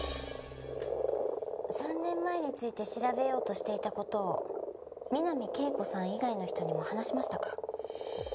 ３年前について調べようとしていた事を三波圭子さん以外の人にも話しましたか？